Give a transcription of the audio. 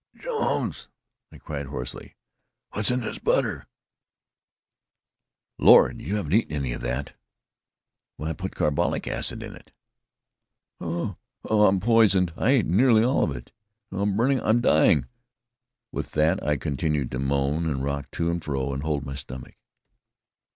"Jones!" I cried hoarsely. "What's in this butter?" "Lord! you haven't eaten any of that. Why, I put carbolic acid in it." "Oh oh oh I'm poisoned! I ate nearly all of it! Oh I'm burning up! I'm dying!" With that I began to moan and rock to and fro and hold my stomach.